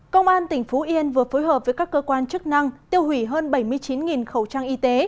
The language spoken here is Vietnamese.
công an tỉnh phú yên vừa phối hợp với các cơ quan chức năng tiêu hủy hơn bảy mươi chín khẩu trang y tế